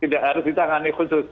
tidak harus ditangani khusus